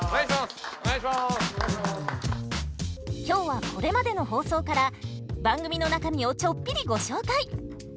今日はこれまでの放送から番組の中身をちょっぴりご紹介。